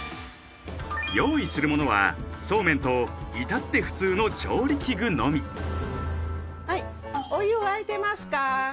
用意するものはそうめんといたって普通の調理器具のみはいお湯沸いてますか？